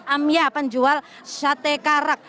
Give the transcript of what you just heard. amya penjual sate karak